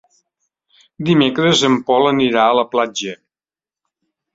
Dimecres en Pol anirà a la platja.